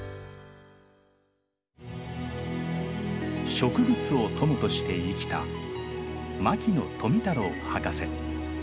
植物を友として生きた牧野富太郎博士。